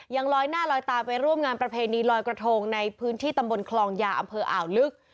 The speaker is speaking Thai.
ยังลอยหน้าลอยตาไปร่วมงานประเพณีลอยกระทงในพื้นที่ตำบลคลองยาอำเภออ่าวลึก